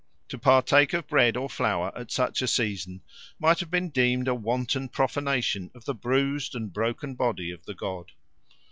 To partake of bread or flour at such a season might have been deemed a wanton profanation of the bruised and broken body of the god.